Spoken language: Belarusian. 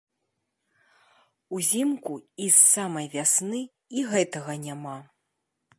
Узімку і з самай вясны і гэтага няма.